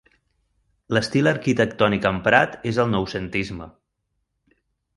L'estil arquitectònic emprat és el noucentisme.